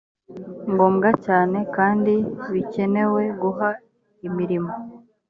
ngombwa cyane kandi bikenewe guha imirimo